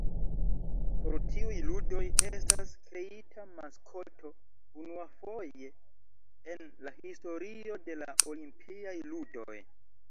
Por tiuj ludoj estas kreita maskoto unuafoje en la historio de la Olimpiaj ludoj.